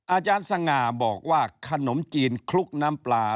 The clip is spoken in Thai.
อาจารย์สง่าบอกว่าขนมจีนคลุกน้ำปลา